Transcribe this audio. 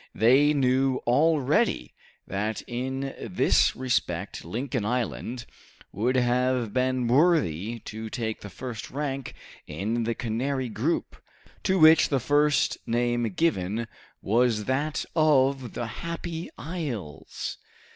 They knew already that in this respect Lincoln Island would have been worthy to take the first rank in the Canary group, to which the first name given was that of the Happy Isles.